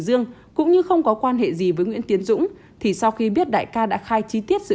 dương cũng như không có quan hệ gì với nguyễn tiến dũng thì sau khi biết đại ca đã khai chi tiết dự